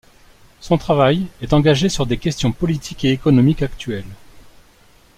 Son travail est engagé sur des questions politiques et économiques actuelles.